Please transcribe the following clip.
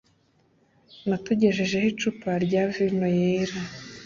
natugejejeho icupa rya vino yera.